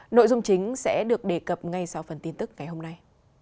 nội dung chính sẽ được đề cập ngay sau phần tin tức ngày hôm nay